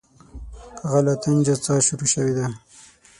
هغه له طنجه څخه شروع شوې ده.